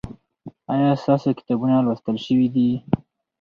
ایا ستاسو کتابونه لوستل شوي دي؟